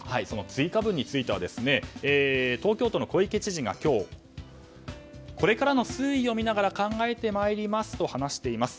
追加分については東京都の小池知事が今日これからの推移を見ながら考えてまいりますと話しています。